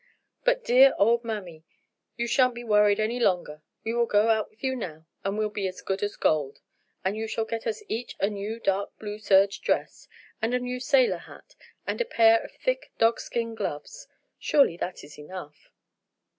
But, dear old mammy, you shan't be worried any longer; we will go out with you now, and we'll be as good as gold, and you shall get us each a new dark blue serge dress and a new sailor hat, and a pair of thick dogskin gloves. Surely that is enough."